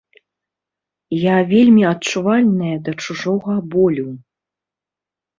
Я вельмі адчувальная да чужога болю.